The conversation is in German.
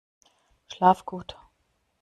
Schlaf gut!